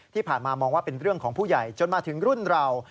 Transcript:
ที่ผ่านมามองว่าเป็นเรื่องของผู้ใหญ่จนมาถึงรุ่นเรา